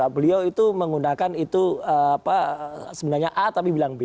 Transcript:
beliau itu menggunakan itu sebenarnya a tapi bilang b